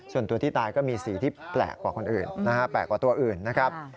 ส่วนตัวที่ตายก็มีสีที่แปลกกว่าคนอื่นนะฮะแปลกกว่าตัวอื่นนะครับ